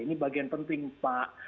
ini bagian penting pak